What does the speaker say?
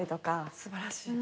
素晴らしい。